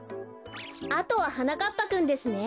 あとははなかっぱくんですね。